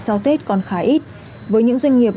sau tết còn khá ít với những doanh nghiệp